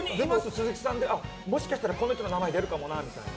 鈴木さんで、もしかしたらこの人の名前出るかもなみたいな。